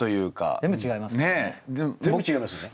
全部違いますよね。